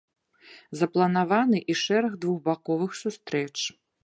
Запланаваны і шэраг двухбаковых сустрэч.